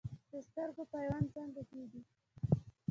د سترګې پیوند څنګه کیږي؟